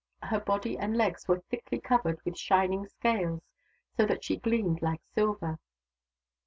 Her body and legs were thickly covered with shining scales, so that she gleamed like silver.